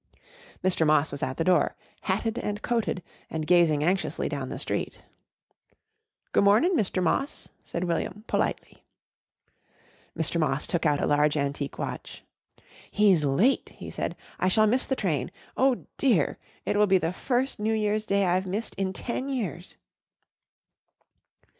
Mr. Moss was at the door, hatted and coated, and gazing anxiously down the street. "Goo' mornin' Mr. Moss," said William politely. Mr. Moss took out a large antique watch. "He's late!" he said. "I shall miss the train. Oh, dear! It will be the first New Year's Day I've missed in ten years."